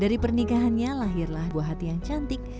dari pernikahannya lahirlah buah hati yang cantik